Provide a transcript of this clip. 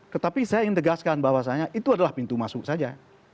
tetapi saya ingin tegaskan bahwasannya itu adalah pintu masuk saja